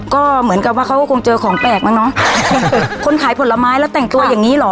ก็เหมือนกับว่าเขาก็คงเจอของแปลกมั้งเนอะคนขายผลไม้แล้วแต่งตัวอย่างงี้เหรอ